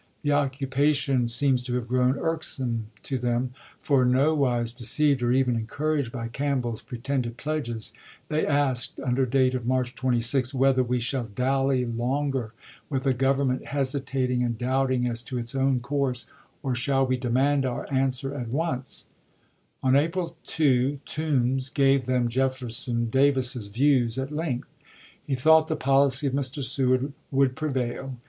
The occupation seems to have grown irksome to them; for, no wise deceived or even encouraged by Campbell's pretended "pledges," they asked, under date of March 26, " whether we shall dally longer with a The com Grovernment hesitating and doubting as to its own to Toomfi i n i i o) « Mar.26,1861. course, or shall we demand our answer at once 1 " ms. On April 2, Toombs gave them Jefferson Davis's views at length. He thought the policy of Mr. Seward would prevail.